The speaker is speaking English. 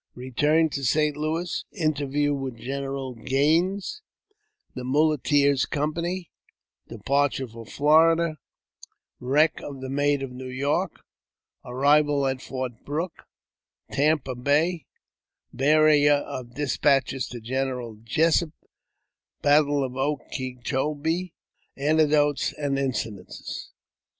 Keturn to St. Louis — Interview with General Gaines — The Muleteers' Com pany — Departure for Florida — Wreck of the Maid of New York — Arrival at Fort Brooke — Tampa Bay — Bearer of Despatches to General Jessup — ^Battle of 0 ke cho be — Anecdotes and Incidents.